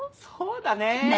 そうだね。